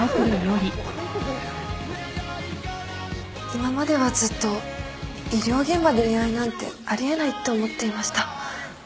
今まではずっと医療現場で恋愛なんてあり得ないって思っていました。